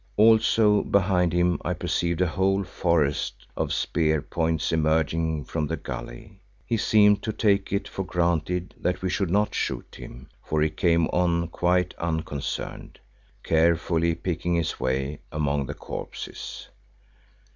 Also behind him I perceived a whole forest of spear points emerging from the gully. He seemed to take it for granted that we should not shoot at him, for he came on quite unconcerned, carefully picking his way among the corpses.